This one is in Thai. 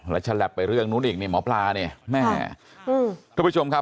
แล้วฉันแหลบไปเรื่องนู้นอีก